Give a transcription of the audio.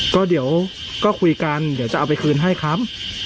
ก็เดี๋ยวก็คุยกันเดี๋ยวจะเอาไปคืนให้ครับ